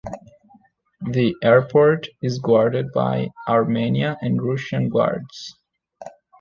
The airport is guarded by Armenian and Russian guards.